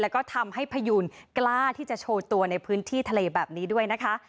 แล้วก็ทำให้พยูนกล้าที่จะโชว์ตัวในพื้นที่ทะเลแบบนี้ด้วยนะคะ